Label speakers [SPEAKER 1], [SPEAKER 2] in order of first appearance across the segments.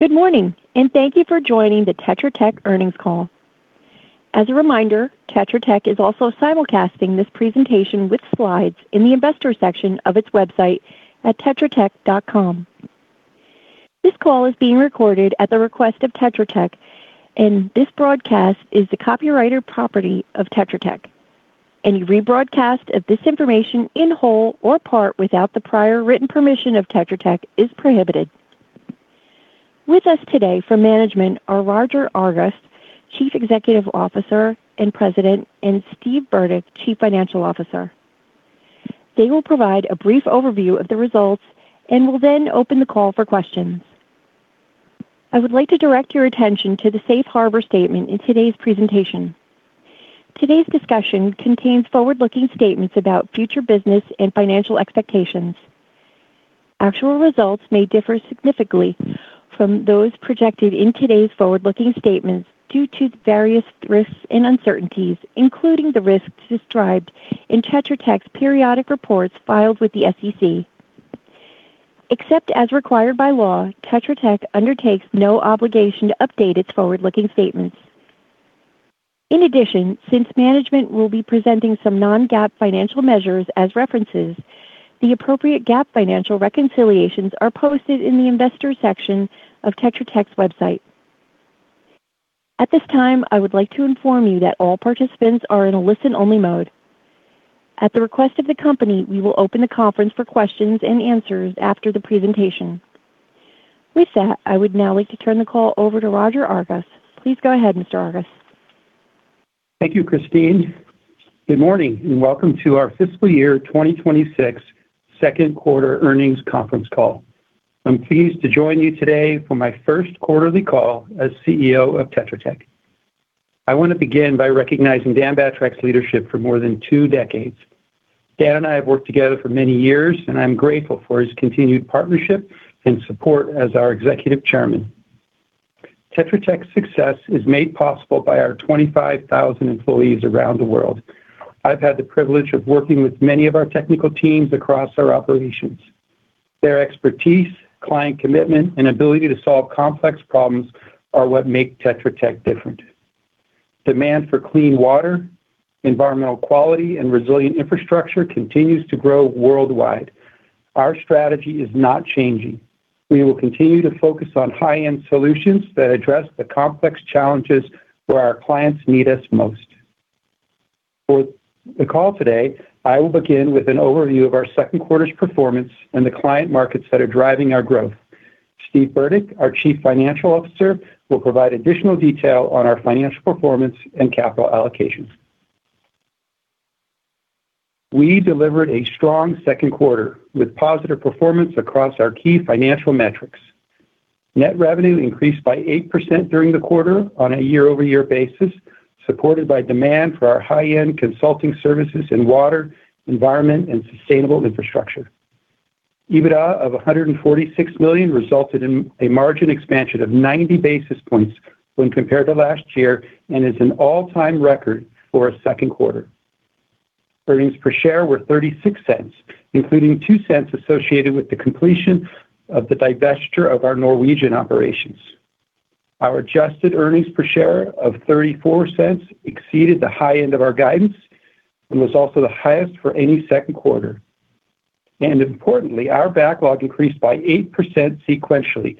[SPEAKER 1] Good morning. Thank you for joining the Tetra Tech earnings call. As a reminder, Tetra Tech is also simulcasting this presentation with slides in the investor section of its website at tetratech.com. This call is being recorded at the request of Tetra Tech, and this broadcast is the copyright or property of Tetra Tech. Any rebroadcast of this information in whole or part without the prior written permission of Tetra Tech is prohibited. With us today for management are Roger Argus, Chief Executive Officer and President, and Steve Burdick, Chief Financial Officer. They will provide a brief overview of the results and will then open the call for questions. I would like to direct your attention to the safe harbor statement in today's presentation. Today's discussion contains forward-looking statements about future business and financial expectations. Actual results may differ significantly from those projected in today's forward-looking statements due to various risks and uncertainties, including the risks described in Tetra Tech's periodic reports filed with the SEC. Except as required by law, Tetra Tech undertakes no obligation to update its forward-looking statements. In addition, since management will be presenting some non-GAAP financial measures as references, the appropriate GAAP financial reconciliations are posted in the investor section of Tetra Tech's website. At this time i would like to inform you that all participants are in listen only mode. At the request of the company we will open the conference for questions and answers after the presentation. With that, I would now like to turn the call over to Roger Argus. Please go ahead, Mr. Argus.
[SPEAKER 2] Thank you, Christine. Good morning, and welcome to our fiscal year 2026 second quarter earnings conference call. I'm pleased to join you today for my first quarterly call as CEO of Tetra Tech. I want to begin by recognizing Dan Batrack's leadership for more than two decades. Dan and I have worked together for many years, and I'm grateful for his continued partnership and support as our Executive Chairman. Tetra Tech's success is made possible by our 25,000 employees around the world. I've had the privilege of working with many of our technical teams across our operations. Their expertise, client commitment, and ability to solve complex problems are what make Tetra Tech different. Demand for clean water, environmental quality, and resilient infrastructure continues to grow worldwide. Our strategy is not changing. We will continue to focus on high-end solutions that address the complex challenges where our clients need us most. For the call today, I will begin with an overview of our second quarter's performance and the client markets that are driving our growth. Steve Burdick, our Chief Financial Officer, will provide additional detail on our financial performance and capital allocation. We delivered a strong second quarter with positive performance across our key financial metrics. Net revenue increased by 8% during the quarter on a year-over-year basis, supported by demand for our high-end consulting services in water, environment, and sustainable infrastructure. EBITDA of $146 million resulted in a margin expansion of 90 basis points when compared to last year and is an all-time record for a second quarter. Earnings per share were $0.36, including $0.02 associated with the completion of the divestiture of our Norwegian operations. Our adjusted earnings per share of $0.34 exceeded the high end of our guidance and was also the highest for any second quarter. Importantly, our backlog increased by 8% sequentially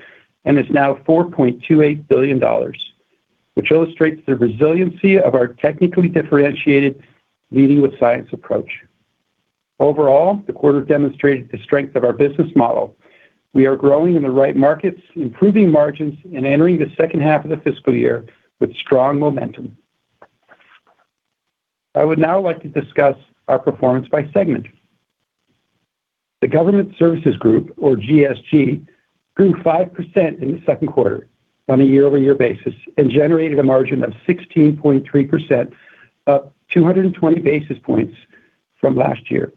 [SPEAKER 2] and is now $4.28 billion, which illustrates the resiliency of our technically differentiated Leading with Science approach. Overall, the quarter demonstrated the strength of our business model. We are growing in the right markets, improving margins, and entering the second half of the fiscal year with strong momentum. I would now like to discuss our performance by segment. The Government Services Group, or GSG, grew 5% in the second quarter on a year-over-year basis and generated a margin of 16.3%, up 220 basis points from last year.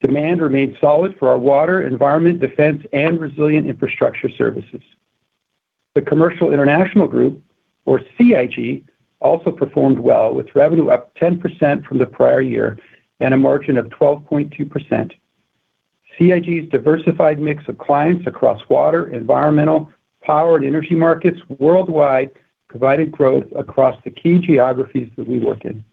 [SPEAKER 2] Demand remained solid for our water, environment, defense, and resilient infrastructure services. The Commercial International Group, or CIG, also performed well, with revenue up 10% from the prior year and a margin of 12.2%. CIG's diversified mix of clients across water, environmental, power, and energy markets worldwide provided growth across the key geographies that we work in.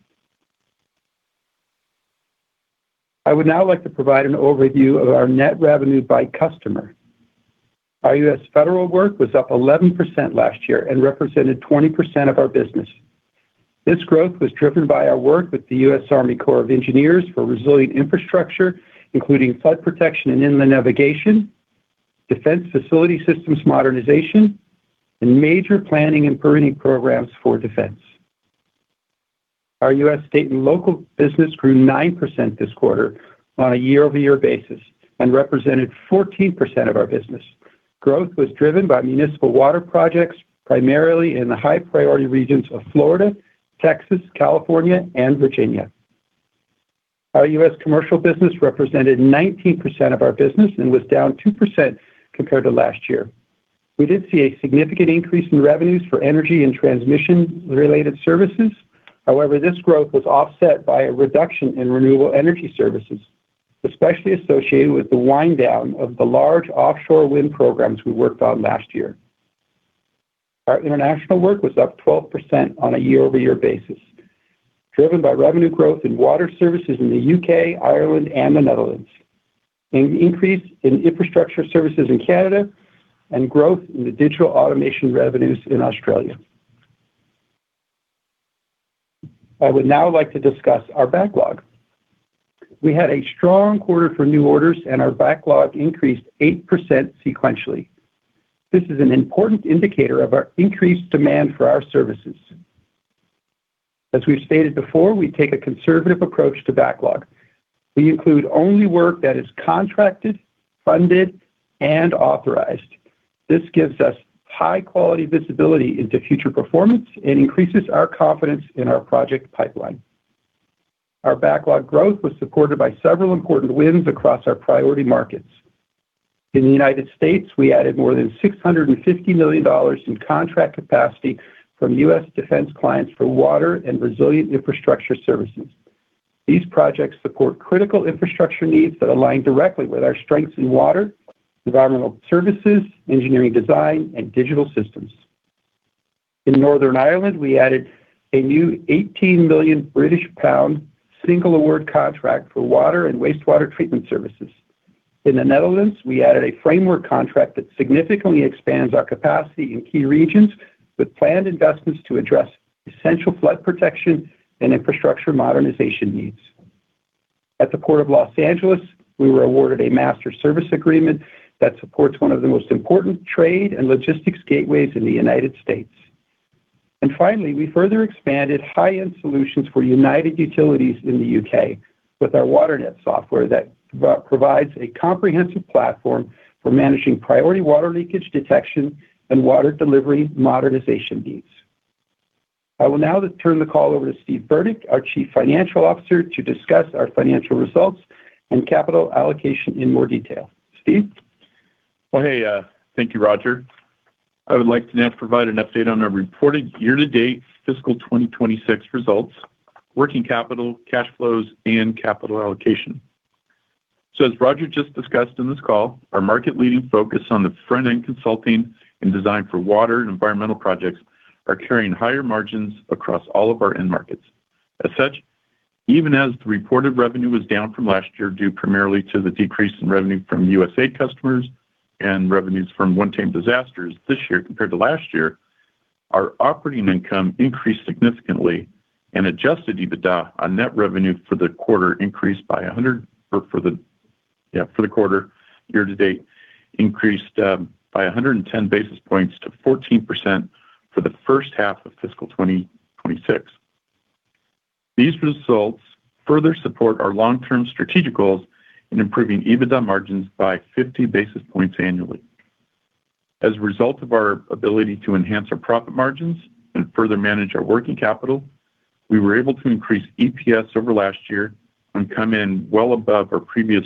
[SPEAKER 2] I would now like to provide an overview of our net revenue by customer. Our U.S. federal work was up 11% last year and represented 20% of our business. This growth was driven by our work with the U.S. Army Corps of Engineers for resilient infrastructure, including flood protection and inland navigation, defense facility systems modernization, and major planning and permitting programs for defense. Our U.S. state and local business grew 9% this quarter on a year-over-year basis and represented 14% of our business. Growth was driven by municipal water projects, primarily in the high-priority regions of Florida, Texas, California, and Virginia. Our U.S. commercial business represented 19% of our business and was down 2% compared to last year. We did see a significant increase in revenues for energy and transmission-related services. This growth was offset by a reduction in renewable energy services. Especially associated with the wind down of the large offshore wind programs we worked on last year. Our international work was up 12% on a year-over-year basis, driven by revenue growth in water services in the U.K., Ireland and the Netherlands, and an increase in infrastructure services in Canada and growth in the digital automation revenues in Australia. I would now like to discuss our backlog. We had a strong quarter for new orders and our backlog increased 8% sequentially. This is an important indicator of our increased demand for our services. As we've stated before, we take a conservative approach to backlog. We include only work that is contracted, funded, and authorized. This gives us high-quality visibility into future performance and increases our confidence in our project pipeline. Our backlog growth was supported by several important wins across our priority markets. In the United States, we added more than $650 million in contract capacity from U.S. defense clients for water and resilient infrastructure services. These projects support critical infrastructure needs that align directly with our strengths in water, environmental services, engineering design, and digital systems. In Northern Ireland, we added a new 18 million British pound single award contract for water and wastewater treatment services. In the Netherlands, we added a framework contract that significantly expands our capacity in key regions with planned investments to address essential flood protection and infrastructure modernization needs. At the Port of Los Angeles, we were awarded a master service agreement that supports one of the most important trade and logistics gateways in the United States. Finally, we further expanded high-end solutions for United Utilities in the U.K. with our WaterNet software that provides a comprehensive platform for managing priority water leakage detection and water delivery modernization needs. I will now turn the call over to Steve Burdick, our Chief Financial Officer, to discuss our financial results and capital allocation in more detail. Steve.
[SPEAKER 3] Well, hey, thank you, Roger. I would like to now provide an update on our reported year-to-date fiscal 2026 results, working capital, cash flows, and capital allocation. As Roger just discussed in this call, our market-leading focus on the front-end consulting and design for water and environmental projects are carrying higher margins across all of our end markets. As such, even as the reported revenue was down from last year due primarily to the decrease in revenue from USA customers and revenues from one-time disasters this year compared to last year, our operating income increased significantly and adjusted EBITDA on net revenue, yeah, for the quarter year to date increased by 110 basis points to 14% for the first half of fiscal 2026. These results further support our long-term strategic goals in improving EBITDA margins by 50 basis points annually. As a result of our ability to enhance our profit margins and further manage our working capital, we were able to increase EPS over last year and come in well above our previous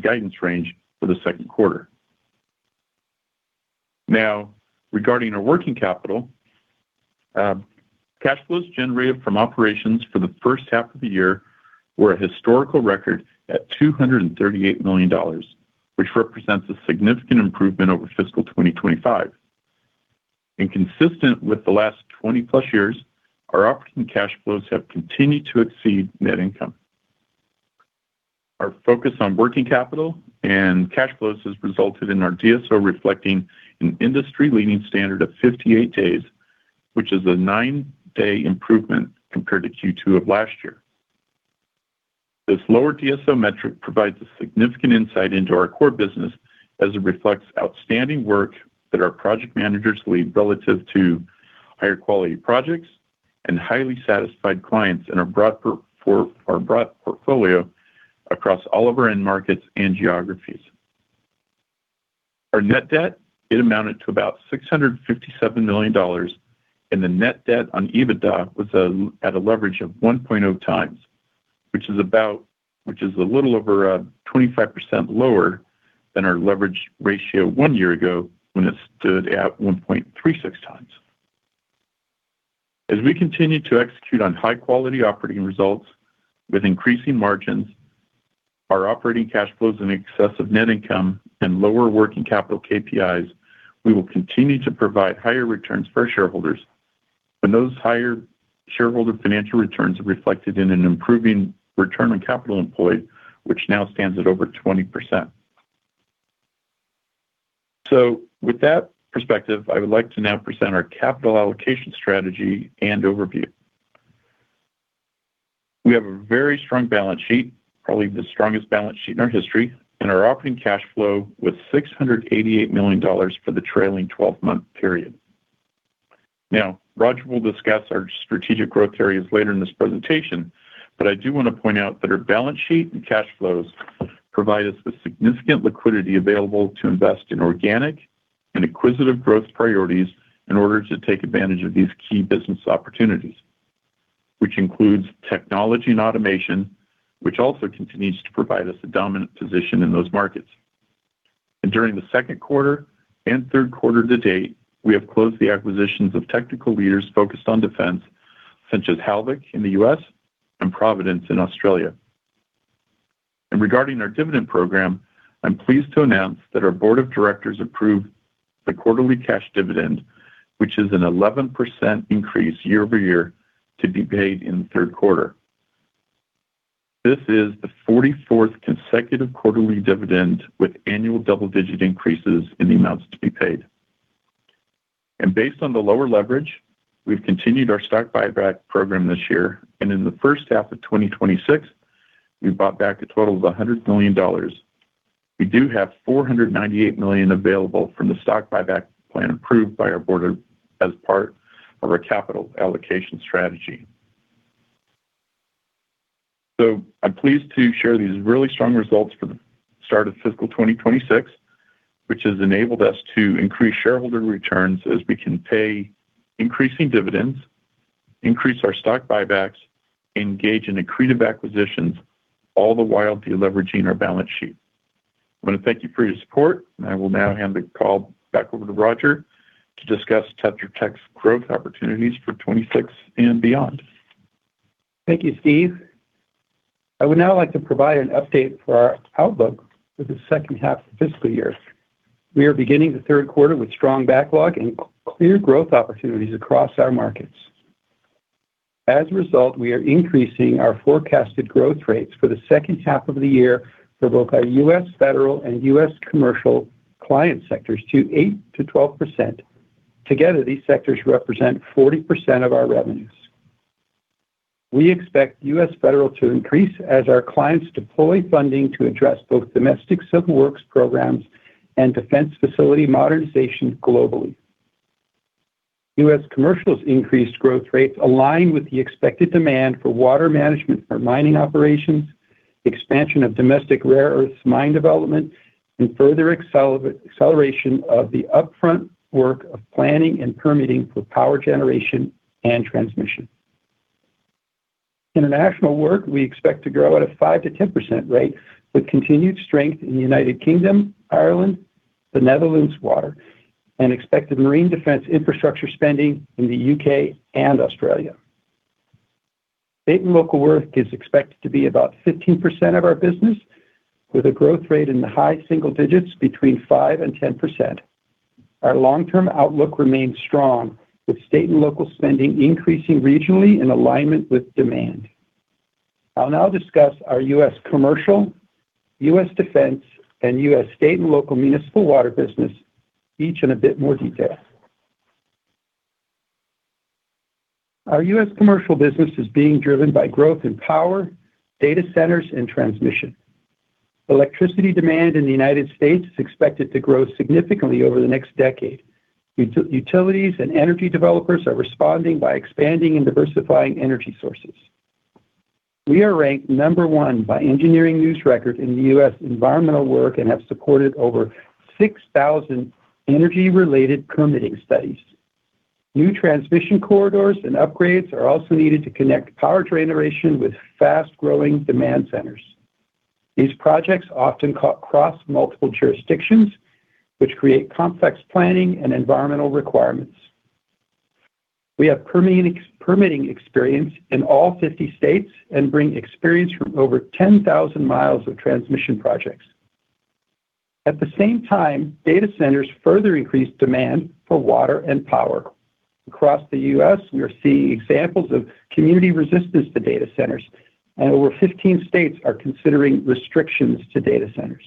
[SPEAKER 3] guidance range for the second quarter. Now, regarding our working capital, cash flows generated from operations for the first half of the year were a historical record at $238 million, which represents a significant improvement over fiscal 2025. Consistent with the last 20 plus years, our operating cash flows have continued to exceed net income. Our focus on working capital and cash flows has resulted in our DSO reflecting an industry-leading standard of 58 days, which is a nine-day improvement compared to Q2 of last year. This lower DSO metric provides a significant insight into our core business as it reflects outstanding work that our project managers lead relative to higher quality projects and highly satisfied clients and for our broad portfolio across all of our end markets and geographies. Our net debt, it amounted to about $657 million, and the net debt on EBITDA was at a leverage of 1.0 times, which is a little over 25% lower than our leverage ratio one year ago when it stood at 1.36 times. As we continue to execute on high-quality operating results with increasing margins, our operating cash flows in excess of net income and lower working capital KPIs, we will continue to provide higher returns for shareholders. Those higher shareholder financial returns are reflected in an improving return on capital employed, which now stands at over 20%. With that perspective, I would like to now present our capital allocation strategy and overview. We have a very strong balance sheet, probably the strongest balance sheet in our history, and our operating cash flow with $688 million for the trailing 12-month period. Now, Roger will discuss our strategic growth areas later in this presentation, but I do want to point out that our balance sheet and cash flows provide us with significant liquidity available to invest in organic and acquisitive growth priorities in order to take advantage of these key business opportunities, which includes technology and automation, which also continues to provide us a dominant position in those markets. During the second quarter and third quarter to date, we have closed the acquisitions of technical leaders focused on defense, such as Halvik in the U.S. and Providence in Australia. Regarding our dividend program, I'm pleased to announce that our board of directors approved the quarterly cash dividend, which is an 11% increase year-over-year to be paid in the third quarter. This is the 44th consecutive quarterly dividend with annual double-digit increases in the amounts to be paid. Based on the lower leverage, we've continued our stock buyback program this year, and in the first half of 2026, we've bought back a total of $100 million. We do have $498 million available from the stock buyback plan approved by our board as part of our capital allocation strategy. I'm pleased to share these really strong results for the start of fiscal 2026, which has enabled us to increase shareholder returns as we can pay increasing dividends, increase our stock buybacks, engage in accretive acquisitions, all the while deleveraging our balance sheet. I want to thank you for your support, and I will now hand the call back over to Roger to discuss Tetra Tech's growth opportunities for 2026 and beyond.
[SPEAKER 2] Thank you, Steve. I would now like to provide an update for our outlook for the second half of the fiscal year. We are beginning the third quarter with strong backlog and clear growth opportunities across our markets. As a result, we are increasing our forecasted growth rates for the second half of the year for both our U.S. federal and U.S. commercial client sectors to 8% to 12%. Together, these sectors represent 40% of our revenues. We expect U.S. federal to increase as our clients deploy funding to address both domestic civil works programs and defense facility modernization globally. U.S. commercials increased growth rates align with the expected demand for water management for mining operations, expansion of domestic rare earth mine development, and further acceleration of the upfront work of planning and permitting for power generation and transmission. International work, we expect to grow at a 5% to 10% rate with continued strength in the United Kingdom, Ireland, the Netherlands water, and expected marine defense infrastructure spending in the U.K. and Australia. State and local work is expected to be about 15% of our business with a growth rate in the high single digits between 5% and 10%. Our long-term outlook remains strong, with state and local spending increasing regionally in alignment with demand. I'll now discuss our U.S. commercial, U.S. defense, and U.S. state and local municipal water business, each in a bit more detail. Our U.S. commercial business is being driven by growth in power, data centers, and transmission. Electricity demand in the United States is expected to grow significantly over the next decade. Utilities and energy developers are responding by expanding and diversifying energy sources. We are ranked number one by Engineering News-Record in the U.S. environmental work and have supported over 6,000 energy-related permitting studies. New transmission corridors and upgrades are also needed to connect power generation with fast-growing demand centers. These projects often cross multiple jurisdictions which create complex planning and environmental requirements. We have permitting experience in all 50 states and bring experience from over 10,000 miles of transmission projects. At the same time, data centers further increase demand for water and power. Across the U.S., we are seeing examples of community resistance to data centers, and over 15 states are considering restrictions to data centers.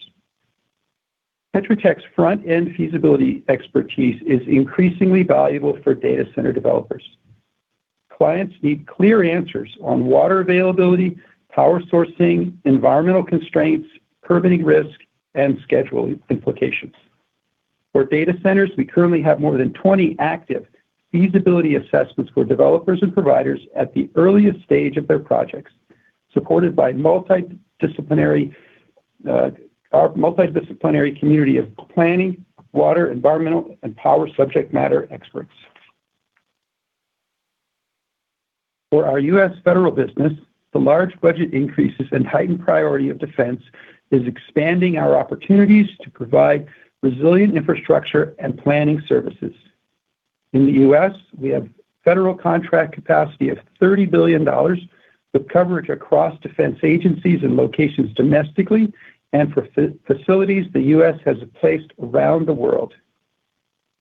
[SPEAKER 2] Tetra Tech's front-end feasibility expertise is increasingly valuable for data center developers. Clients need clear answers on water availability, power sourcing, environmental constraints, permitting risk, and schedule implications. For data centers, we currently have more than 20 active feasibility assessments for developers and providers at the earliest stage of their projects, supported by our multidisciplinary community of planning, water, environmental, and power subject matter experts. For our U.S. federal business, the large budget increases and heightened priority of defense is expanding our opportunities to provide resilient infrastructure and planning services. In the U.S., we have federal contract capacity of $30 billion with coverage across defense agencies and locations domestically and for facilities the U.S. has placed around the world.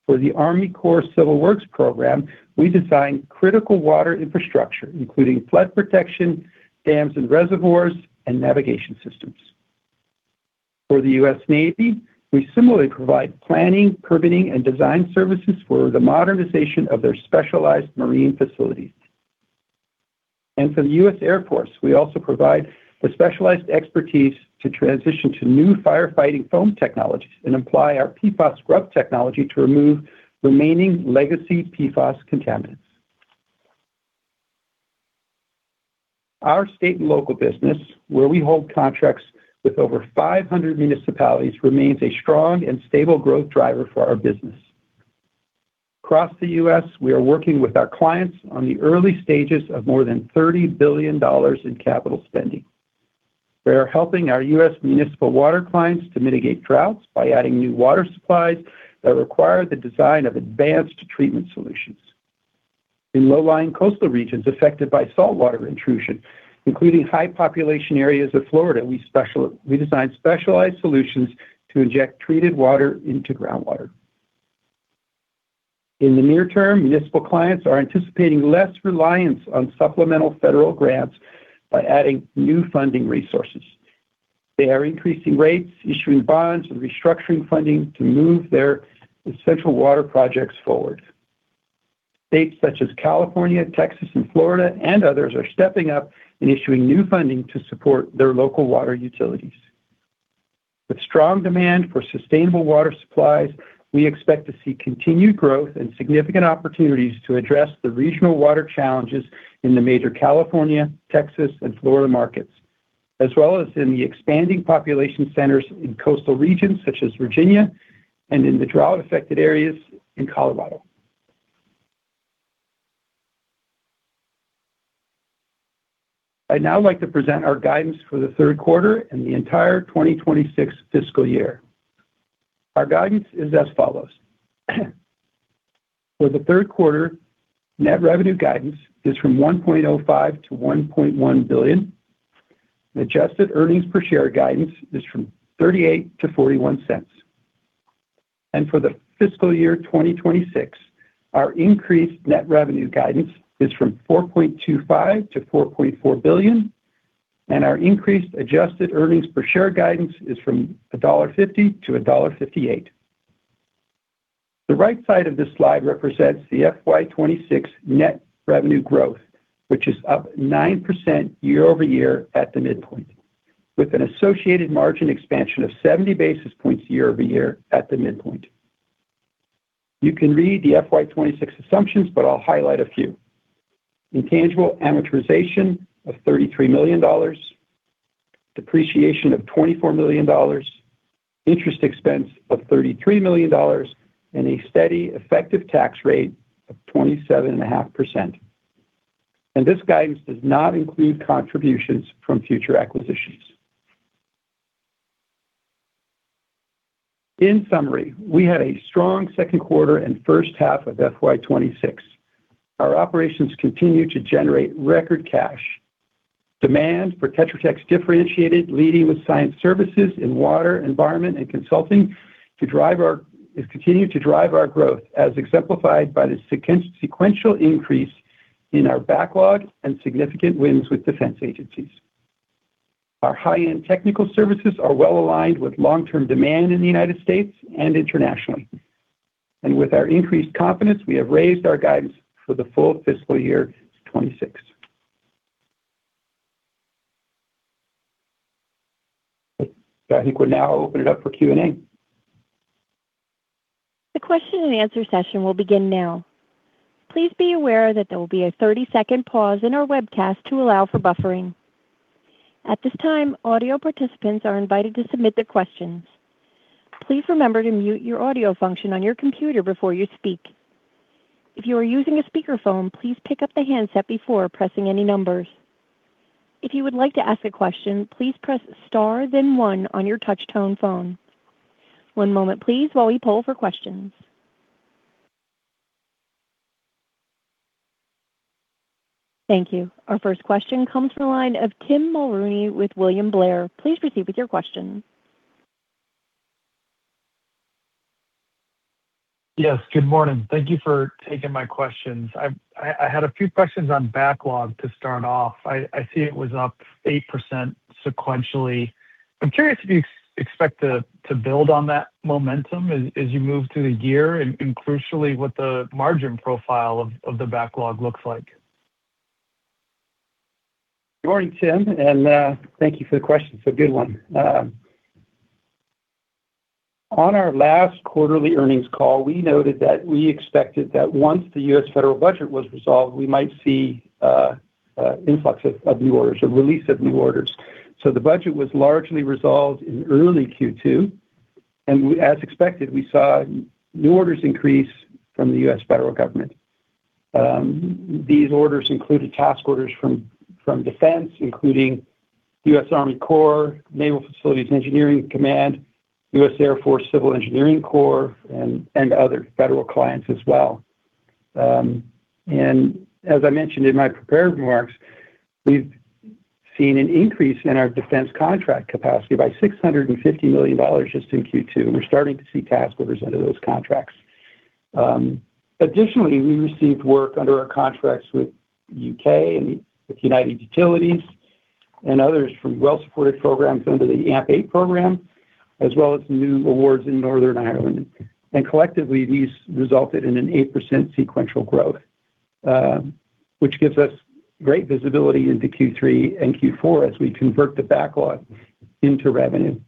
[SPEAKER 2] For the Army Corps Civil Works program, we design critical water infrastructure, including flood protection, dams and reservoirs, and navigation systems. For the U.S. Navy, we similarly provide planning, permitting, and design services for the modernization of their specialized marine facilities. For the U.S. Air Force, we also provide the specialized expertise to transition to new firefighting foam technologies and apply our PFAS-Scrub technology to remove remaining legacy PFAS contaminants. Our state and local business, where we hold contracts with over 500 municipalities, remains a strong and stable growth driver for our business. Across the U.S., we are working with our clients on the early stages of more than $30 billion in capital spending. We are helping our U.S. municipal water clients to mitigate droughts by adding new water supplies that require the design of advanced treatment solutions. In low-lying coastal regions affected by saltwater intrusion, including high population areas of Florida, we design specialized solutions to inject treated water into groundwater. In the near term, municipal clients are anticipating less reliance on supplemental federal grants by adding new funding resources. They are increasing rates, issuing bonds, and restructuring funding to move their essential water projects forward. States such as California, Texas, and Florida and others are stepping up and issuing new funding to support their local water utilities. With strong demand for sustainable water supplies, we expect to see continued growth and significant opportunities to address the regional water challenges in the major California, Texas, and Florida markets, as well as in the expanding population centers in coastal regions such as Virginia and in the drought-affected areas in Colorado. I'd now like to present our guidance for the third quarter and the entire 2026 fiscal year. Our guidance is as follows. For the third quarter, net revenue guidance is from $1.05 to $1.1 billion. Adjusted earnings per share guidance is from $0.38 to $0.41. For the fiscal year 2026, our increased net revenue guidance is from $4.25 to $4.4 billion, and our increased adjusted earnings per share guidance is from $1.50 to $1.58. The right side of this slide represents the FY 2026 net revenue growth, which is up 9% year-over-year at the midpoint, with an associated margin expansion of 70 basis points year-over-year at the midpoint. You can read the FY 2026 assumptions, I'll highlight a few. Intangible amortization of $33 million, depreciation of $24 million, interest expense of $33 million, and a steady effective tax rate of 27.5%. This guidance does not include contributions from future acquisitions. In summary, we had a strong second quarter and first half of FY 2026. Our operations continue to generate record cash. Demand for Tetra Tech's differentiated Leading With Science services in water, environment, and consulting has continued to drive our growth, as exemplified by the sequential increase in our backlog and significant wins with defense agencies. Our high-end technical services are well-aligned with long-term demand in the U.S. and internationally. With our increased confidence, we have raised our guidance for the full fiscal year to 2026. I think we'll now open it up for Q&A.
[SPEAKER 1] The question and answer session will begin now. Please be aware that there will be a 30-second pause in our webcast to allow for buffering. At this time, audio participants are invited to submit their questions. Please remember to mute your audio function on your computer before you speak. If you are using a speakerphone, please pick up the handset before pressing any numbers. If you would like to ask a question, please press star then one on your touch-tone phone. One moment, please, while we poll for questions. Thank you. Our first question comes from the line of Tim Mulrooney with William Blair. Please proceed with your question.
[SPEAKER 4] Yes, good morning. Thank you for taking my questions. I had a few questions on backlog to start off. I see it was up 8% sequentially. I'm curious if you expect to build on that momentum as you move through the year and crucially, what the margin profile of the backlog looks like.
[SPEAKER 2] Good morning, Tim, thank you for the question. It's a good one. On our last quarterly earnings call, we noted that we expected that once the U.S. federal budget was resolved, we might see influxes of new orders or release of new orders. The budget was largely resolved in early Q2, and as expected, we saw new orders increase from the U.S. federal government. These orders included task orders from defense, including U.S. Army Corps of Engineers, Naval Facilities Engineering Systems Command, Air Force Civil Engineer Center, and other federal clients as well. As I mentioned in my prepared remarks, we've seen an increase in our defense contract capacity by $650 million just in Q2. We're starting to see task orders under those contracts. Additionally, we received work under our contracts with U.K. and with United Utilities and others from well-supported programs under the AMP8 program, as well as new awards in Northern Ireland. Collectively, these resulted in an 8% sequential growth, which gives us great visibility into Q3 and Q4 as we convert the backlog into revenue.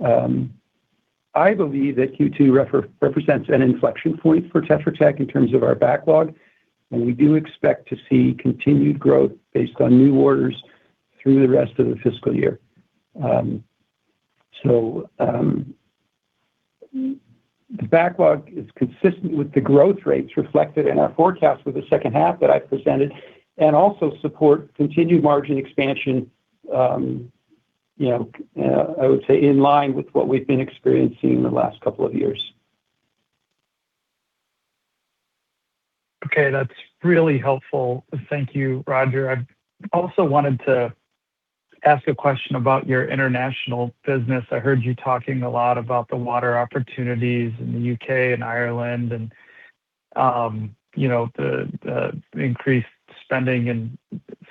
[SPEAKER 2] I believe that Q2 represents an inflection point for Tetra Tech in terms of our backlog, and we do expect to see continued growth based on new orders through the rest of the fiscal year. The backlog is consistent with the growth rates reflected in our forecast for the second half that I presented, and also support continued margin expansion, you know, I would say in line with what we've been experiencing in the last couple of years.
[SPEAKER 4] Okay. That's really helpful. Thank you, Roger. I also wanted to ask a question about your international business. I heard you talking a lot about the water opportunities in the U.K. and Ireland, you know, the increased spending in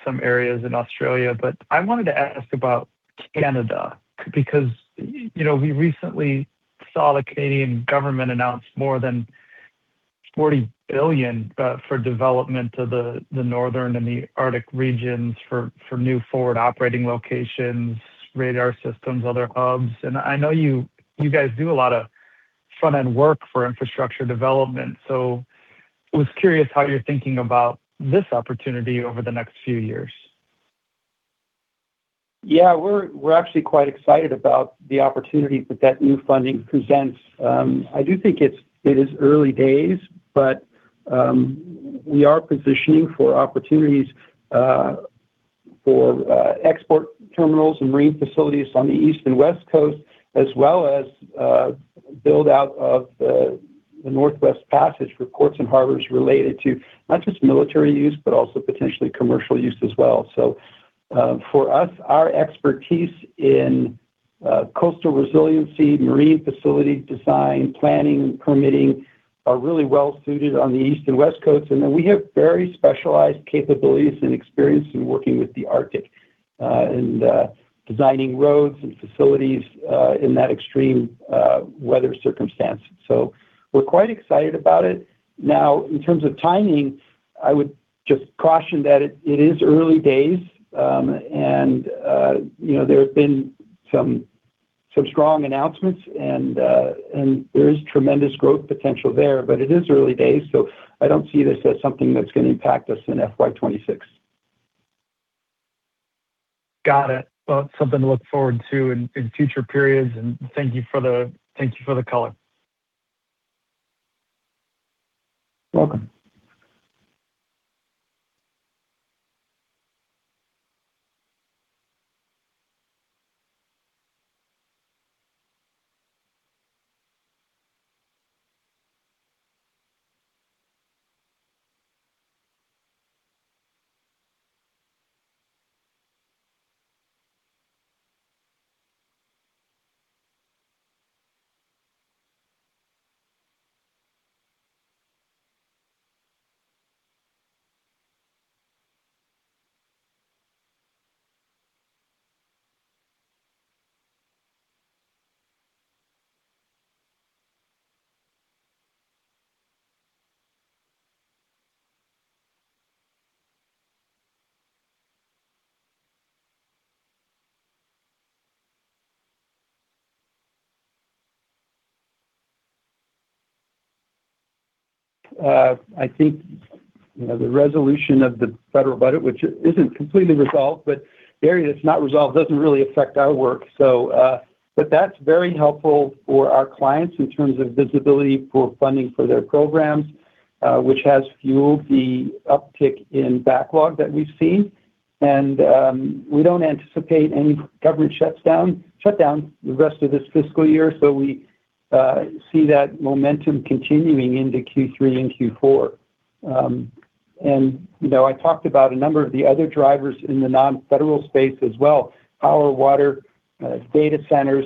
[SPEAKER 4] some areas in Australia. I wanted to ask about Canada because, you know, we recently saw the Canadian government announce more than $40 billion for development of the northern and the Arctic regions for new forward operating locations, radar systems, other hubs. I know you guys do a lot of front-end work for infrastructure development, so I was curious how you're thinking about this opportunity over the next few years.
[SPEAKER 2] Yeah. We're actually quite excited about the opportunities that that new funding presents. I do think it is early days, but we are positioning for opportunities for export terminals and marine facilities on the East and West Coasts, as well as build out of the Northwest Passage for ports and harbors related to not just military use, but also potentially commercial use as well. For us, our expertise in coastal resiliency, marine facility design, planning and permitting are really well suited on the East and West Coasts. We have very specialized capabilities and experience in working with the Arctic and designing roads and facilities in that extreme weather circumstance. We're quite excited about it. In terms of timing, I would just caution that it is early days, and, you know, there have been some strong announcements and there is tremendous growth potential there. It is early days, so I don't see this as something that's gonna impact us in FY 2026.
[SPEAKER 4] Got it. Well, something to look forward to in future periods, and thank you for the color.
[SPEAKER 2] Welcome. I think, you know, the resolution of the federal budget, which isn't completely resolved, but the area that's not resolved doesn't really affect our work. That's very helpful for our clients in terms of visibility for funding for their programs, which has fueled the uptick in backlog that we've seen. We don't anticipate any government shut down the rest of this fiscal year, so we see that momentum continuing into Q3 and Q4. You know, I talked about a number of the other drivers in the non-federal space as well, power, water, data centers.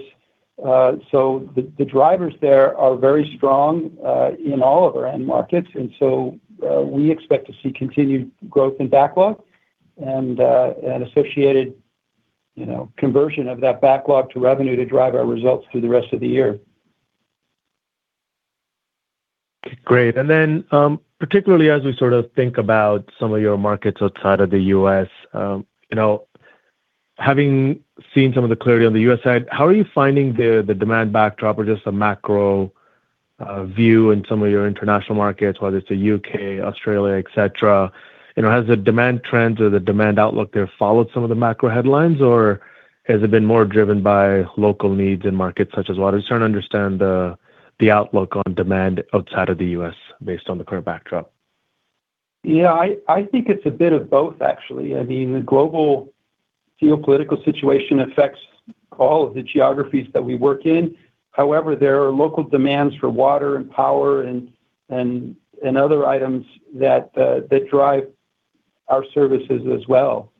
[SPEAKER 2] The drivers there are very strong in all of our end markets. We expect to see continued growth and backlog and associated, you know, conversion of that backlog to revenue to drive our results through the rest of the year.
[SPEAKER 5] Great. Particularly as we sort of think about some of your markets outside of the U.S., you know, having seen some of the clarity on the U.S. side, how are you finding the demand backdrop or just the macro view in some of your international markets, whether it's the U.K., Australia, et cetera? You know, has the demand trends or the demand outlook there followed some of the macro headlines, or has it been more driven by local needs in markets such as water? Just trying to understand the outlook on demand outside of the U.S. based on the current backdrop.
[SPEAKER 2] Yeah. I think it's a bit of both, actually. I mean, the global geopolitical situation affects all of the geographies that we work in. However, there are local demands for water and power and other items that drive our services as well.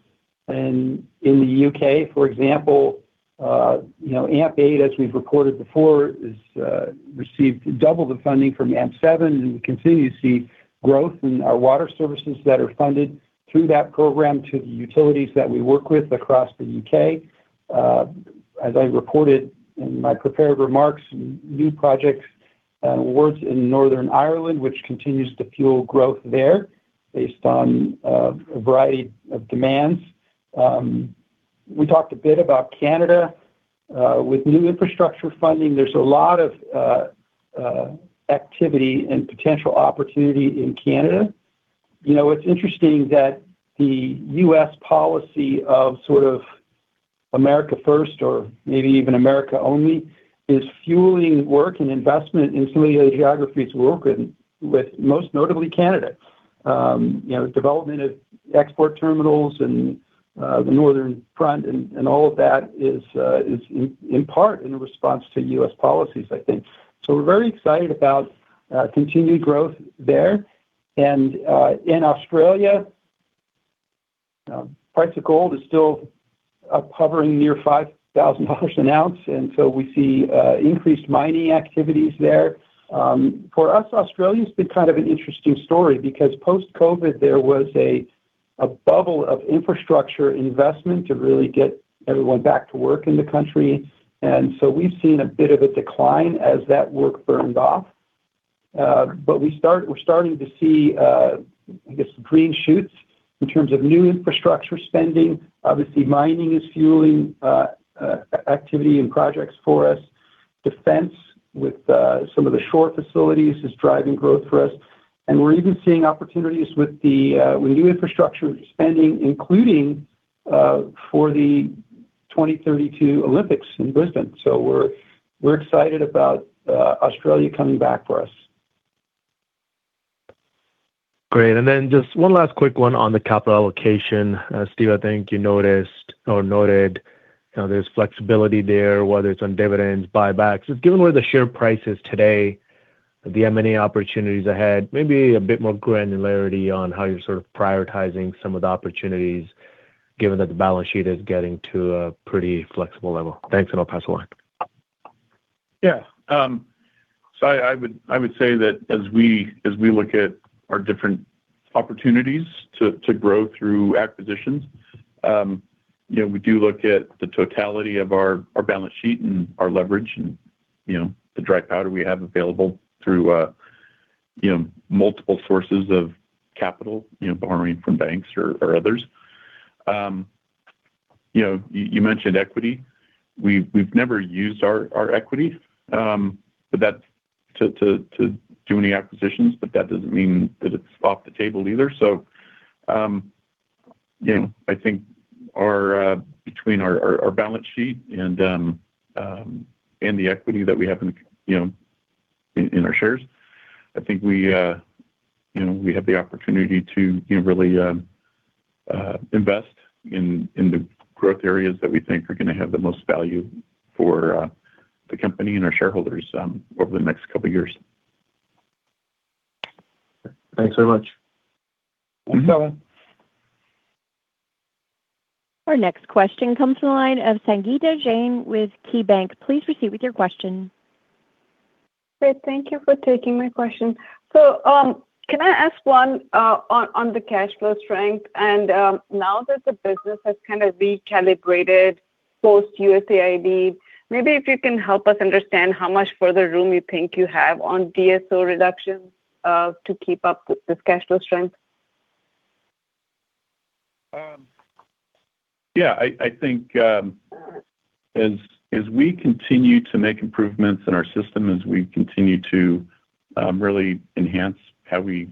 [SPEAKER 2] In the U.K., for example, you know, AMP8, as we've reported before, has received double the funding from AMP7, and we continue to see growth in our water services that are funded through that program to the utilities that we work with across the U.K. As I reported in my prepared remarks, new projects, awards in Northern Ireland, which continues to fuel growth there based on a variety of demands. We talked a bit about Canada. With new infrastructure funding, there's a lot of activity and potential opportunity in Canada. You know, it's interesting that the U.S. policy of sort of America first or maybe even America only is fueling work and investment in some of the geographies we work in, with most notably Canada. You know, development of export terminals and the northern front and all of that is in part in response to U.S. policies, I think. We're very excited about continued growth there. In Australia, price of gold is still hovering near $5,000 an ounce, we see increased mining activities there. For us, Australia's been kind of an interesting story because post-COVID, there was a bubble of infrastructure investment to really get everyone back to work in the country. We've seen a bit of a decline as that work burned off. But we're starting to see, I guess green shoots in terms of new infrastructure spending. Obviously, mining is fueling activity and projects for us. Defense with some of the shore facilities is driving growth for us. We're even seeing opportunities with the new infrastructure spending, including for the 2032 Olympics in Brisbane. We're excited about Australia coming back for us.
[SPEAKER 5] Great. Just one last quick one on the capital allocation. Steve, I think you noticed or noted, you know, there's flexibility there, whether it's on dividends, buybacks. Just given where the share price is today, do you have many opportunities ahead? Maybe a bit more granularity on how you're sort of prioritizing some of the opportunities given that the balance sheet is getting to a pretty flexible level. Thanks. I'll pass the line.
[SPEAKER 3] Yeah. I would say that as we look at our different opportunities to grow through acquisitions, you know, we do look at the totality of our balance sheet and our leverage and, you know, the dry powder we have available through, you know, multiple sources of capital, you know, borrowing from banks or others. You know, you mentioned equity. We've never used our equity, but that's to do any acquisitions, but that doesn't mean that it's off the table either. you know, I think between our balance sheet and the equity that we have in, you know, in our shares, I think we, you know, have the opportunity to, you know, really invest in the growth areas that we think are gonna have the most value for the company and our shareholders over the next couple years.
[SPEAKER 5] Thanks so much.
[SPEAKER 1] Thanks, Sabahat. Our next question comes from the line of Sangita Jain with KeyBanc. Please proceed with your question.
[SPEAKER 6] Great. Thank you for taking my question. Can I ask one on the cash flow strength? Now that the business has kind of recalibrated post-USAID, maybe if you can help us understand how much further room you think you have on DSO reduction to keep up with this cash flow strength.
[SPEAKER 3] Yeah. I think, as we continue to make improvements in our system, as we continue to really enhance how we,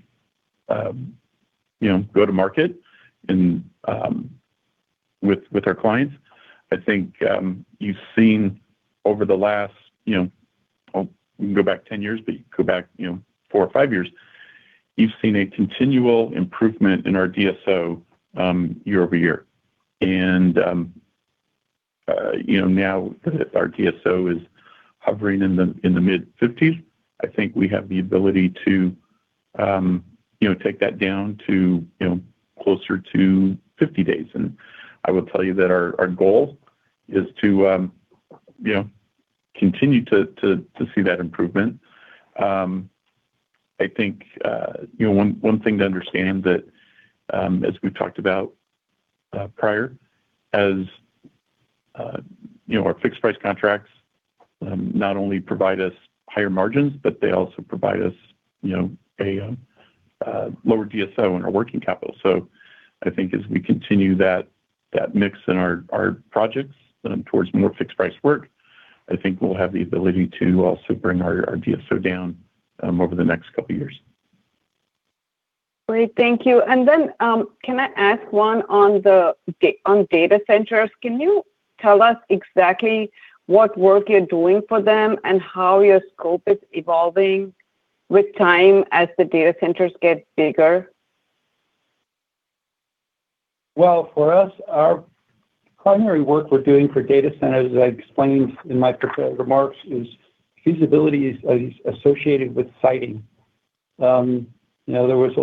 [SPEAKER 3] you know, go to market and with our clients, I think, you've seen over the last, you know, I'll go back 10 years, but go back, you know, four or five years, you've seen a continual improvement in our DSO year over year. You know, now that our DSO is hovering in the mid-50s, I think we have the ability to, you know, take that down to, you know, closer to 50 days. I will tell you that our goal is to, you know, continue to see that improvement. I think, you know, one thing to understand that, as we've talked about, prior, as, you know, our fixed price contracts, not only provide us higher margins, but they also provide us, you know, a lower DSO in our working capital. I think as we continue that mix in our projects, towards more fixed price work, I think we'll have the ability to also bring our DSO down, over the next 2 years.
[SPEAKER 6] Great. Thank you. Can I ask one on data centers? Can you tell us exactly what work you're doing for them and how your scope is evolving with time as the data centers get bigger?
[SPEAKER 2] Well, for us, our primary work we're doing for data centers, as I explained in my pre- remarks, is feasibility associated with siting. you know, there was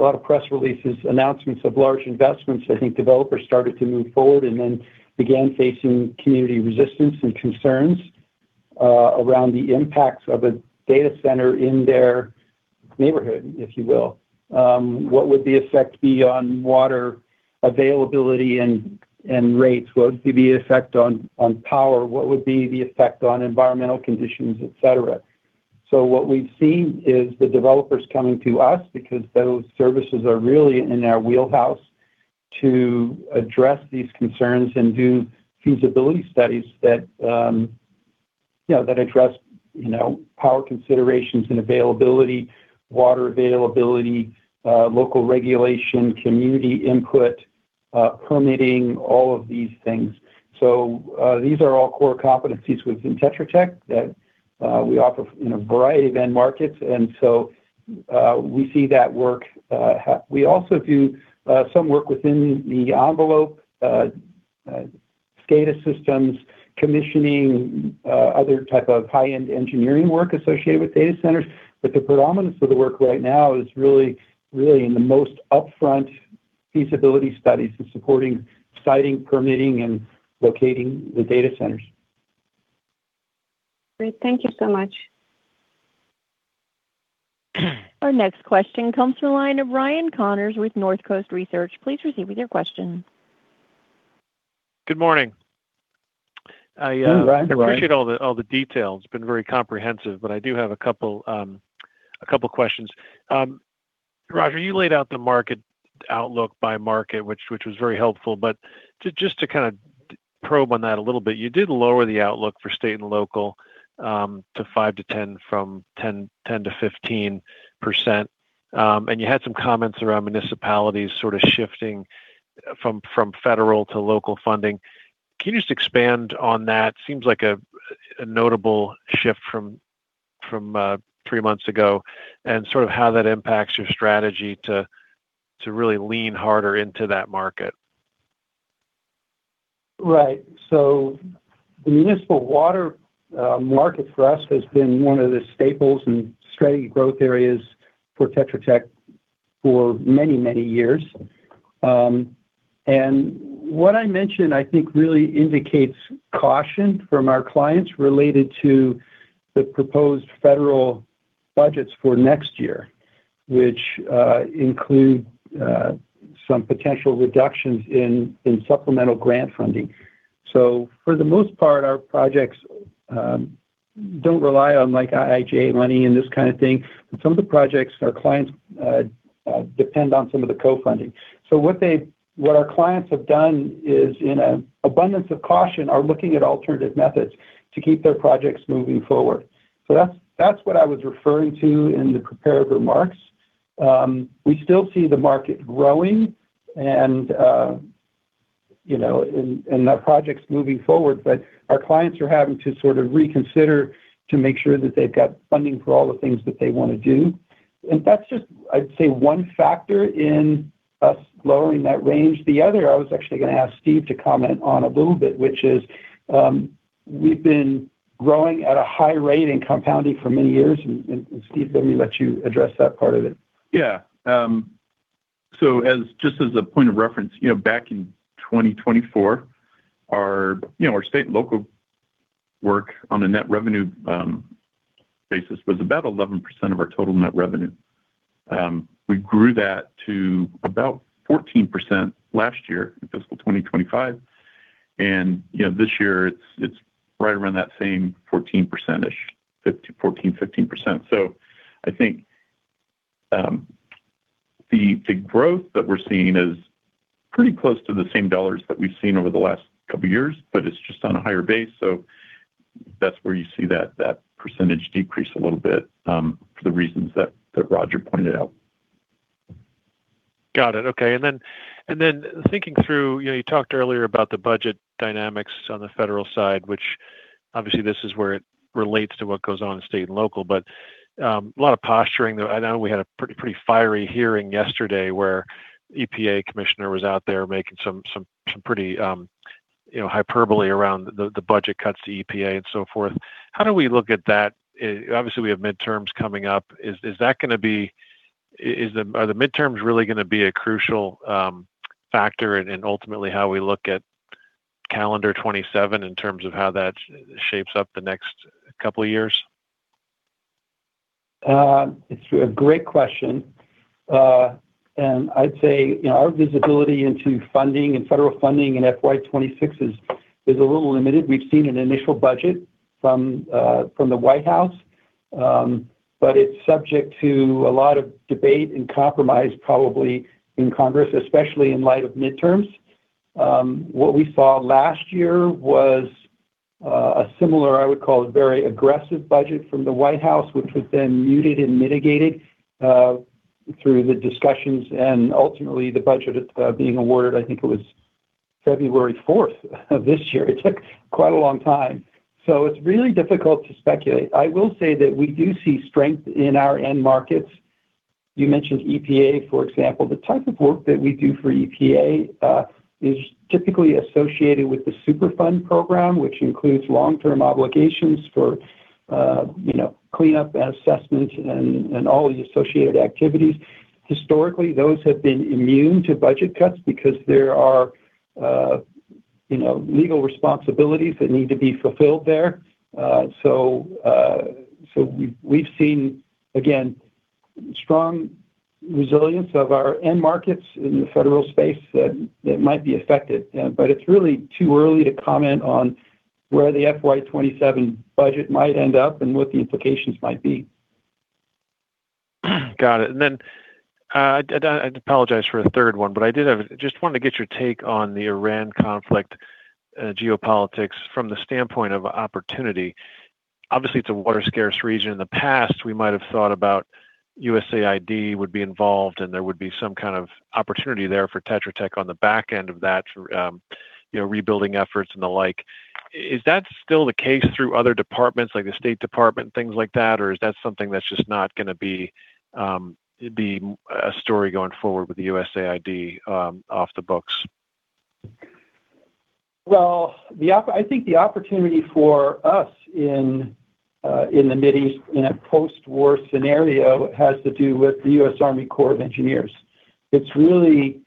[SPEAKER 2] a lot of press releases, announcements of large investments. I think developers started to move forward and then began facing community resistance and concerns around the impacts of a data center in their neighborhood, if you will. What would the effect be on water availability and rates? What would be the effect on power? What would be the effect on environmental conditions, et cetera? What we've seen is the developers coming to us because those services are really in our wheelhouse to address these concerns and do feasibility studies that, you know, that address, you know, power considerations and availability, water availability, local regulation, community input, permitting, all of these things. These are all core competencies within Tetra Tech that we offer in a variety of end markets. We see that work. We also do some work within the envelope, SCADA systems, commissioning, other type of high-end engineering work associated with data centers. The predominance of the work right now is really in the most upfront feasibility studies and supporting siting, permitting, and locating the data centers.
[SPEAKER 6] Great. Thank you so much.
[SPEAKER 1] Our next question comes from the line of Ryan Connors with Northcoast Research. Please proceed with your question.
[SPEAKER 7] Good morning.
[SPEAKER 2] Hey, Ryan.
[SPEAKER 7] I appreciate all the details, been very comprehensive, but I do have a couple questions. Roger, you laid out the market outlook by market, which was very helpful. To just to kind of probe on that a little bit, you did lower the outlook for state and local to 5% to 10% from 10% to 15%. You had some comments around municipalities sort of shifting from federal to local funding. Can you just expand on that? Seems like a notable shift from three months ago and sort of how that impacts your strategy to really lean harder into that market.
[SPEAKER 2] Right. The municipal water market for us has been one of the staples and strategy growth areas for Tetra Tech for many, many years. What I mentioned, I think, really indicates caution from our clients related to the proposed federal budgets for next year, which include some potential reductions in supplemental grant funding. For the most part, our projects don't rely on like IIJA money and this kind of thing. Some of the projects, our clients depend on some of the co-funding. What our clients have done is, in an abundance of caution, are looking at alternative methods to keep their projects moving forward. That's what I was referring to in the prepared remarks. We still see the market growing and, you know, our projects moving forward, but our clients are having to sort of reconsider to make sure that they've got funding for all the things that they wanna do. That's just, I'd say, one factor in us lowering that range. The other, I was actually gonna ask Steve to comment on a little bit, which is, we've been growing at a high rate and compounding for many years. Steve, let me let you address that part of it.
[SPEAKER 3] Yeah. As just as a point of reference, you know, back in 2024, our, you know, our state and local work on a net revenue basis was about 11% of our total net revenue. We grew that to about 14% last year in FY 2025. You know, this year it's right around that same 14%-ish, 14% to 15%. I think the growth that we're seeing is pretty close to the same dollars that we've seen over the last couple of years, but it's just on a higher base. That's where you see that percentage decrease a little bit for the reasons that Roger pointed out.
[SPEAKER 7] Got it. Okay. Thinking through, you talked earlier about the budget dynamics on the federal side, which obviously this is where it relates to what goes on in state and local. A lot of posturing. I know we had a pretty fiery hearing yesterday where EPA commissioner was out there making some pretty hyperbole around the budget cuts to EPA and so forth. How do we look at that? Obviously, we have midterms coming up. Is that gonna be, are the midterms really gonna be a crucial factor in ultimately how we look at calendar 2027 in terms of how that shapes up the next couple of years?
[SPEAKER 2] It's a great question. I'd say, you know, our visibility into funding and federal funding in FY 2026 is a little limited. We've seen an initial budget from the White House. It's subject to a lot of debate and compromise probably in Congress, especially in light of midterms. What we saw last year was a similar, I would call, a very aggressive budget from the White House, which was then muted and mitigated through the discussions and ultimately the budget being awarded, I think it was February 4th of this year. It took quite a long time. It's really difficult to speculate. I will say that we do see strength in our end markets. You mentioned EPA, for example. The type of work that we do for EPA is typically associated with the Superfund program, which includes long-term obligations for, you know, cleanup and assessment and all the associated activities. Historically, those have been immune to budget cuts because there are, you know, legal responsibilities that need to be fulfilled there. So we've seen, again, strong resilience of our end markets in the federal space that might be affected. But it's really too early to comment on where the FY 2027 budget might end up and what the implications might be.
[SPEAKER 7] Got it. I'd apologize for a third one. I did have. Just wanted to get your take on the Iran conflict, geopolitics from the standpoint of opportunity. Obviously, it's a water-scarce region. In the past, we might have thought about USAID would be involved, and there would be some kind of opportunity there for Tetra Tech on the back end of that, you know, rebuilding efforts and the like. Is that still the case through other departments, like the State Department, things like that? Is that something that's just not gonna be a story going forward with the USAID off the books?
[SPEAKER 2] I think the opportunity for us in the Mideast in a post-war scenario has to do with the U.S. Army Corps of Engineers. It's really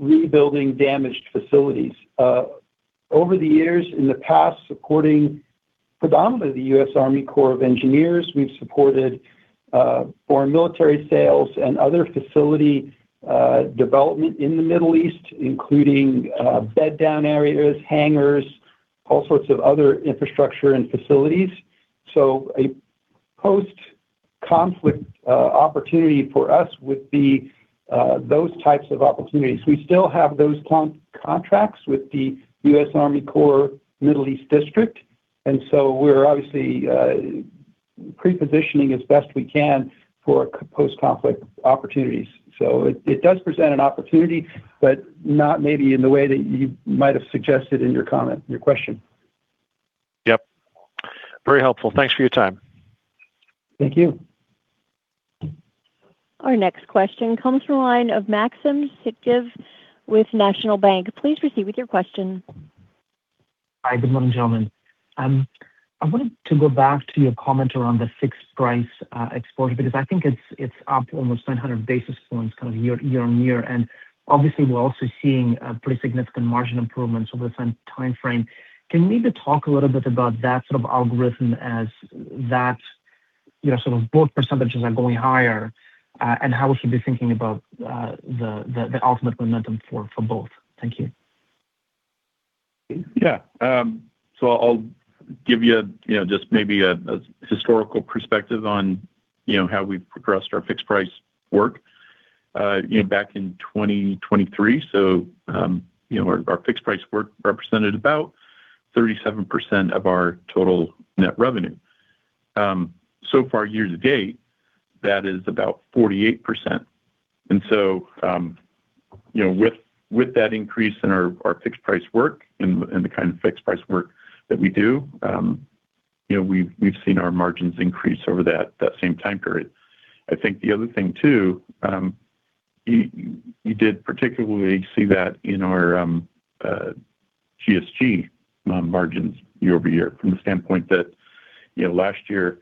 [SPEAKER 2] rebuilding damaged facilities. Over the years in the past, supporting predominantly the U.S. Army Corps of Engineers, we've supported foreign military sales and other facility development in the Middle East, including bed down areas, hangars, all sorts of other infrastructure and facilities. A post-conflict opportunity for us would be those types of opportunities. We still have those contracts with the U.S. Army Corps Middle East District, we're obviously pre-positioning as best we can for post-conflict opportunities. It does present an opportunity, but not maybe in the way that you might have suggested in your comment, your question.
[SPEAKER 7] Yep. Very helpful. Thanks for your time.
[SPEAKER 2] Thank you.
[SPEAKER 1] Our next question comes from line of Maxim Sytchev with National Bank. Please proceed with your question.
[SPEAKER 8] Hi, good morning, gentlemen. I wanted to go back to your comment around the fixed price exposure, because I think it's up almost 900 basis points kind of year-on-year. Obviously, we're also seeing a pretty significant margin improvements over the same timeframe. Can you maybe talk a little bit about that sort of algorithm as that, you know, sort of both percentages are going higher, and how we should be thinking about the ultimate momentum for both? Thank you.
[SPEAKER 3] Yeah. I'll give you know, just maybe a historical perspective on, you know, how we've progressed our fixed price work. You know, back in 2023, you know, our fixed price work represented about 37% of our total net revenue. Far year to date, that is about 48%. You know, with that increase in our fixed price work and the kind of fixed price work that we do, you know, we've seen our margins increase over that same time period. I think the other thing, too, you did particularly see that in our GSG margins year-over-year from the standpoint that, you know, last year,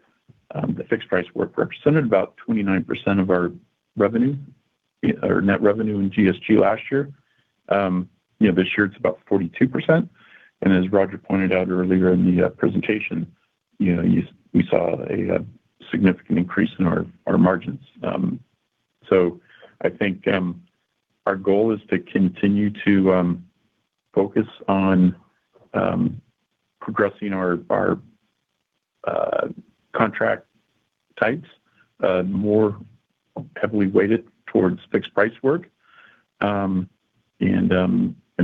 [SPEAKER 3] the fixed price work represented about 29% of our revenue, or net revenue in GSG last year. You know, this year it's about 42%. As Roger pointed out earlier in the presentation, you know, we saw a significant increase in our margins. So I think our goal is to continue to focus on progressing our contract types more heavily weighted towards fixed price work.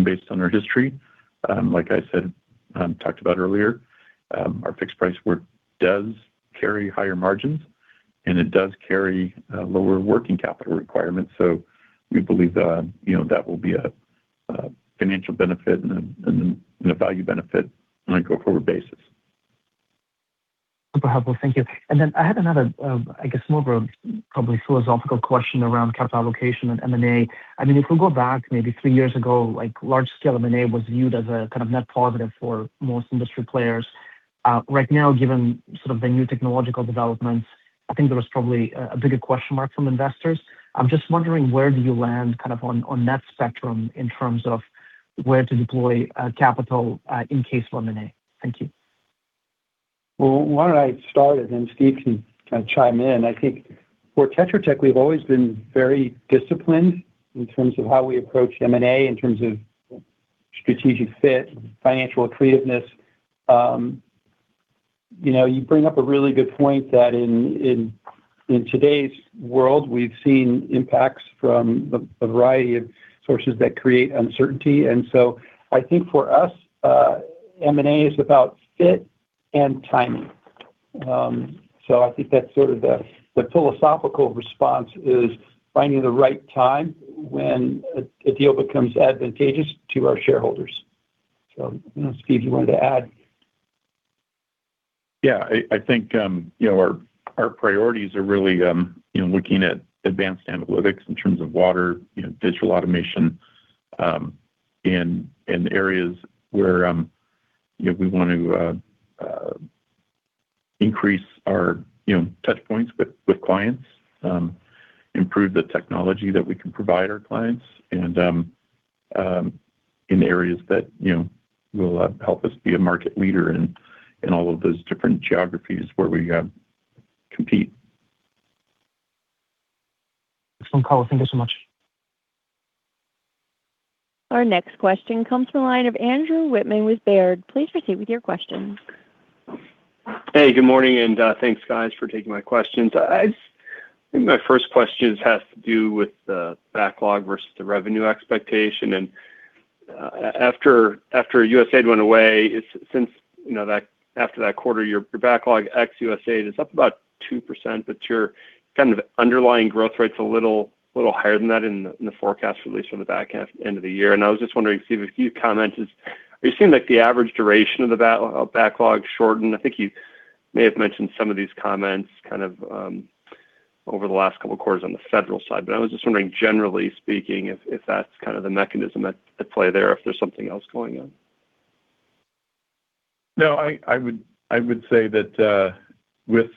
[SPEAKER 3] Based on our history, like I said, talked about earlier, our fixed price work does carry higher margins, and it does carry lower working capital requirements. We believe, you know, that will be a financial benefit and a value benefit on a go-forward basis.
[SPEAKER 8] Super helpful. Thank you. I had another, I guess more of a probably philosophical question around capital allocation and M&A. If we go back maybe three years ago, like large scale M&A was viewed as a kind of net positive for most industry players. Right now, given sort of the new technological developments, I think there is probably a bigger question mark from investors. I'm just wondering where do you land kind of on that spectrum in terms of where to deploy capital in case of M&A. Thank you.
[SPEAKER 2] Well, why don't I start it, and Steve can kinda chime in. I think for Tetra Tech, we've always been very disciplined in terms of how we approach M&A, in terms of strategic fit, financial accretiveness. You know, you bring up a really good point that in today's world, we've seen impacts from a variety of sources that create uncertainty. I think for us, M&A is about fit and timing. I think that's sort of the philosophical response is finding the right time when a deal becomes advantageous to our shareholders. I don't know, Steve, you wanted to add.
[SPEAKER 3] Yeah. I think, you know, our priorities are really, you know, looking at advanced analytics in terms of water, you know, digital automation in areas where, you know, we want to increase our, you know, touch points with clients, improve the technology that we can provide our clients and in areas that, you know, will help us be a market leader in all of those different geographies where we compete.
[SPEAKER 8] Excellent call. Thank you so much.
[SPEAKER 1] Our next question comes from the line of Andrew Wittmann with Baird. Please proceed with your question.
[SPEAKER 9] Hey, good morning, thanks guys for taking my questions. I think my first questions has to do with the backlog versus the revenue expectation. After USAID went away, since, you know, that, after that quarter, your backlog ex-USAID is up about 2%. Your kind of underlying growth rate's a little higher than that in the forecast release from the back half, end of the year. I was just wondering, Steve, if you'd comment as are you seeing like the average duration of the backlog shorten? I think you may have mentioned some of these comments kind of over the last couple calls on the federal side. I was just wondering, generally speaking, if that's kind of the mechanism at play there, or if there's something else going on.
[SPEAKER 3] No, I would say that, with,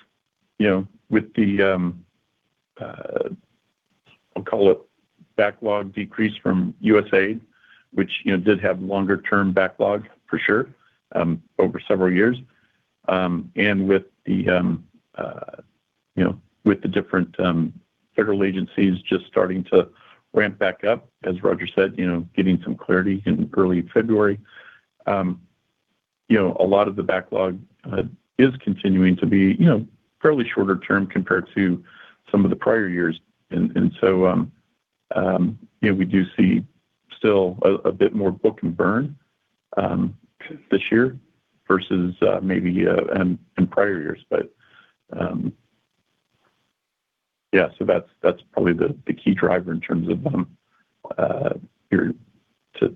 [SPEAKER 3] you know, with the, I'll call it backlog decrease from USAID, which, you know, did have longer term backlog for sure, over several years. With the, you know, with the different federal agencies just starting to ramp back up, as Roger said, you know, getting some clarity in early February. You know, a lot of the backlog is continuing to be, you know, fairly shorter term compared to some of the prior years. You know, we do see still a bit more book and burn this year versus maybe in prior years. Yeah, that's probably the key driver in terms of to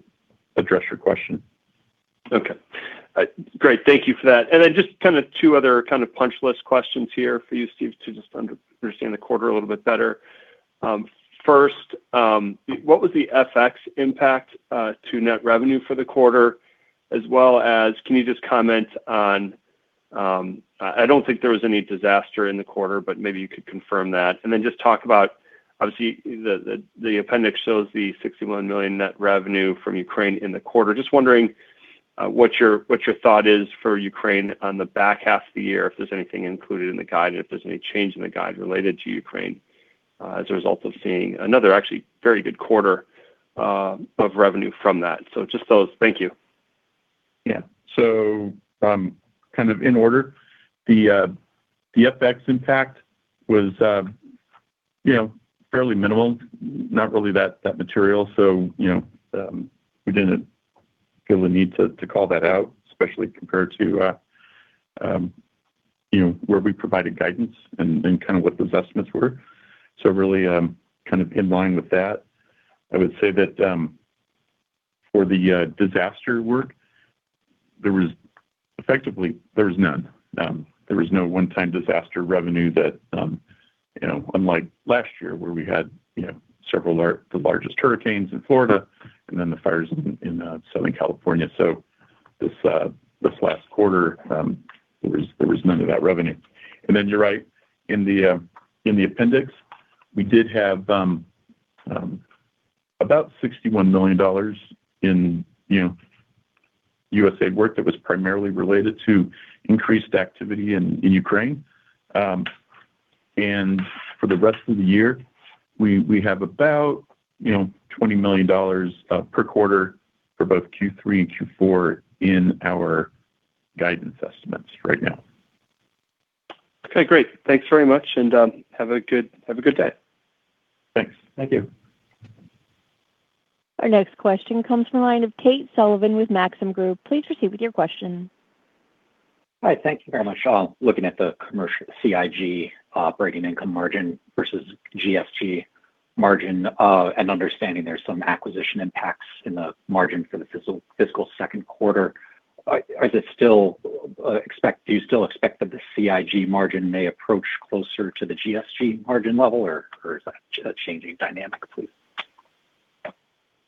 [SPEAKER 3] address your question.
[SPEAKER 9] Great. Thank you for that. Then just kinda two other kind of punch list questions here for you, Steve, to just understand the quarter a little bit better. First, what was the FX impact to net revenue for the quarter? As well as can you just comment on, I don't think there was any disaster in the quarter, but maybe you could confirm that. Then just talk about, obviously the appendix shows the $61 million net revenue from Ukraine in the quarter. I am just wondering what your thought is for Ukraine on the back half of the year. If there's anything included in the guide, if there's any change in the guide related to Ukraine as a result of seeing another actually very good quarter of revenue from that. Just those. Thank you.
[SPEAKER 3] Yeah. Kind of in order, the FX impact was, you know, fairly minimal, not really that material. You know, we didn't feel the need to call that out, especially compared to, you know, where we provided guidance and kind of what the assessments were. Really, kind of in line with that. I would say that for the disaster work, there was effectively none. There was no one-time disaster revenue that, you know, unlike last year where we had, you know, several large, the largest hurricanes in Florida and then the fires in Southern California. This last quarter, there was none of that revenue. You're right, in the appendix, we did have about $61 million in, you know, USAID work that was primarily related to increased activity in Ukraine. For the rest of the year, we have about, you know, $20 million per quarter for both Q3 and Q4 in our guidance estimates right now.
[SPEAKER 9] Okay. Great. Thanks very much and have a good day.
[SPEAKER 3] Thanks.
[SPEAKER 2] Thank you.
[SPEAKER 1] Our next question comes from the line of Tate Sullivan with Maxim Group. Please proceed with your question.
[SPEAKER 10] Hi. Thank you very much. Looking at the commercial CIG operating income margin versus GSG margin, and understanding there's some acquisition impacts in the margin for the fiscal second quarter, do you still expect that the CIG margin may approach closer to the GSG margin level or is that a changing dynamic, please?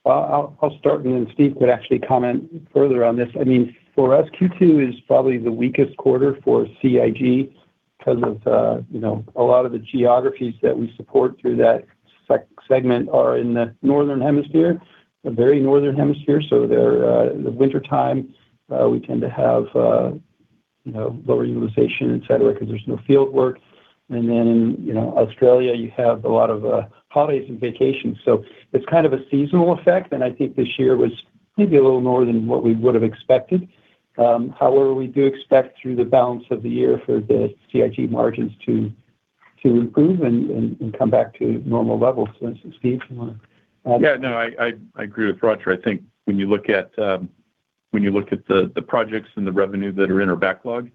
[SPEAKER 2] Well, I'll start. Steve could actually comment further on this. I mean for us, Q2 is probably the weakest quarter for CIG 'cause of, you know, a lot of the geographies that we support through that segment are in the Northern Hemisphere, the very Northern Hemisphere. They're the wintertime, we tend to have, you know, lower utilization, et cetera, 'cause there's no field work. You know, Australia, you have a lot of holidays and vacations. It's kind of a seasonal effect. I think this year was maybe a little more than what we would've expected. However, we do expect through the balance of the year for the CIG margins to improve and come back to normal levels. Steve, you wanna add?
[SPEAKER 3] Yeah, no, I agree with Roger. I think when you look at, when you look at the projects and the revenue that are in our backlog,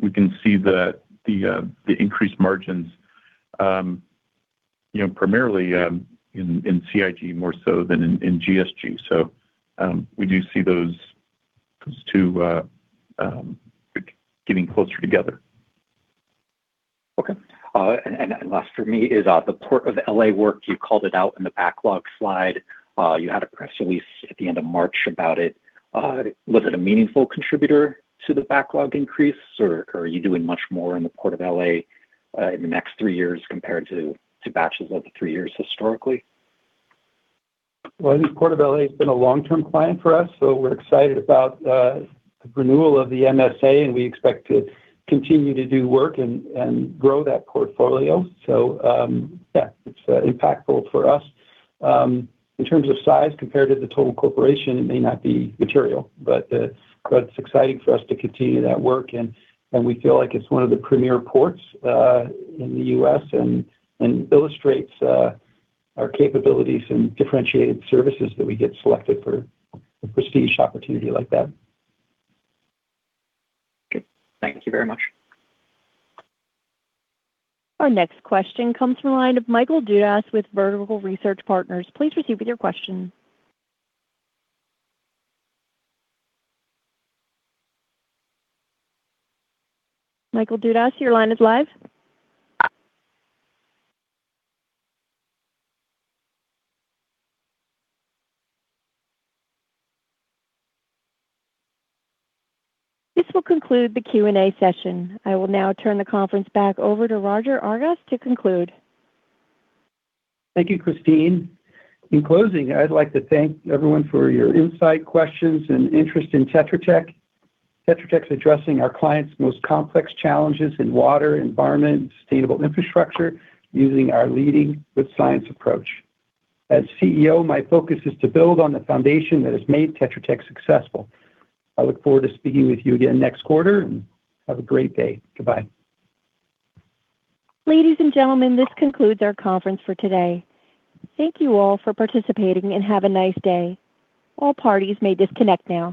[SPEAKER 3] we can see the increased margins, you know, primarily, in CIG more so than in GSG. We do see those two getting closer together.
[SPEAKER 10] Okay. Last from me, the Port of L.A. work, you called it out in the backlog slide. You had a press release at the end of March about it. Was it a meaningful contributor to the backlog increase or are you doing much more in the Port of L.A. in the next three years compared to batches of the three years historically?
[SPEAKER 2] Well, I think Port of L.A. has been a long-term client for us, so we're excited about the renewal of the MSA, and we expect to continue to do work and grow that portfolio. Yeah, it's impactful for us. In terms of size compared to the total corporation, it may not be material, but it's exciting for us to continue that work and we feel like it's one of the premier ports in the U.S. and illustrates our capabilities and differentiated services that we get selected for a prestige opportunity like that.
[SPEAKER 10] Okay. Thank you very much.
[SPEAKER 1] Our next question comes from the line of Michael Dudas with Vertical Research Partners. Please proceed with your question. Michael Dudas, your line is live. This will conclude the Q&A session. I will now turn the conference back over to Roger Argus to conclude.
[SPEAKER 2] Thank you, Christine. In closing, I'd like to thank everyone for your insight, questions, and interest in Tetra Tech. Tetra Tech's addressing our clients' most complex challenges in water, environment, and sustainable infrastructure using our Leading with Science approach. As CEO, my focus is to build on the foundation that has made Tetra Tech successful. I look forward to speaking with you again next quarter, and have a great day. Goodbye.
[SPEAKER 1] Ladies and gentlemen, this concludes our conference for today. Thank you all for participating and have a nice day. All parties may disconnect now.